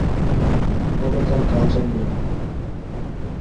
বলে, তার কালচার নেই।